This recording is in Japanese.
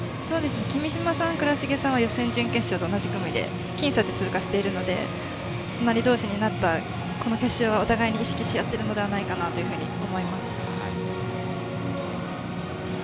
君嶋さん、藏重さんは予選、準決勝と同じ組で僅差で通過しているので隣同士になったこの決勝はお互いに意識し合ってるのではと思います。